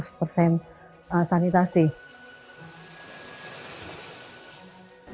nah ini adalah salah satu program dalam rangka menurunkan angka stunting di kabupaten majene